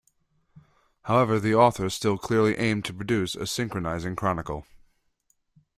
However the author still clearly aimed to produce a synchronizing chronicle.